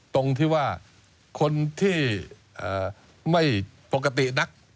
ตรงที่ว่าคนที่ไม่ปกตินัก